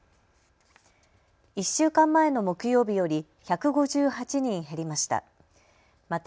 １週間前の木曜日より１５８人減りました。